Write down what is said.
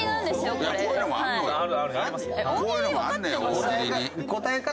こういうのもあるのよ。